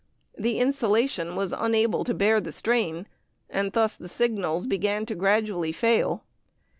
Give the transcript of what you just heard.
The insulation was unable to bear the strain, and thus the signals began to gradually fail.